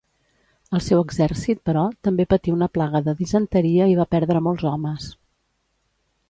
El seu exèrcit, però, també patí una plaga de disenteria i va perdre molts homes.